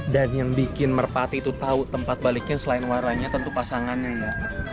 dan yang bikin merpati itu tahu tempat baliknya selain waranya tentu pasangannya ya